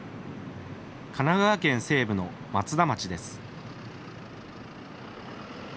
神奈川県西部の松田町です。